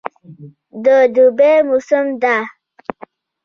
د دوبی موسم ده